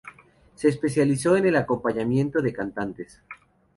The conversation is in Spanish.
Se especializó en el acompañamiento de cantantes.